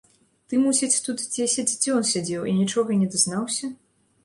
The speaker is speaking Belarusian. Ты, мусіць, тут дзесяць дзён сядзеў і нічога не дазнаўся?